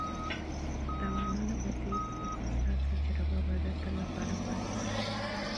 تاوانونه به تېر شي خو ستا تجربه به د تل لپاره پاتې شي.